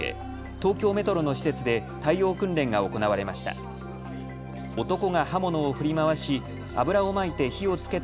東京メトロの施設で対応訓練が行われました。